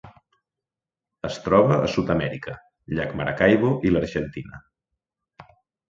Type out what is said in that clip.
Es troba a Sud-amèrica: llac Maracaibo i l'Argentina.